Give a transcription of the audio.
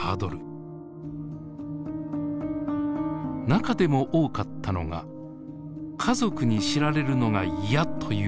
中でも多かったのが「家族に知られるのが嫌」という回答です。